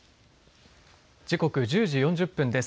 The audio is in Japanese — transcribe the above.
時刻１０時４０分です。